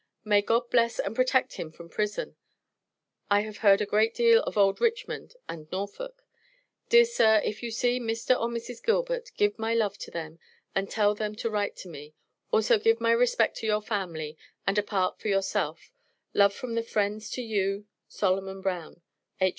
May God bless and protect him from prison, I have heard A great del of old Richmond and Norfolk. Dear Sir, if you see Mr. or Mrs. Gilbert Give my love to them and tell them to write to me, also give my respect to your Family and A part for yourself, love from the friends to you Soloman Brown, H.